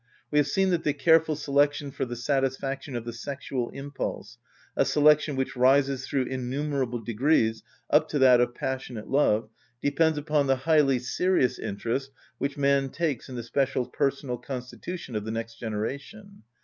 We have seen that the careful selection for the satisfaction of the sexual impulse, a selection which rises through innumerable degrees up to that of passionate love, depends upon the highly serious interest which man takes in the special personal constitution of the next generation.